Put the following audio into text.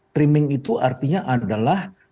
trimming itu artinya adalah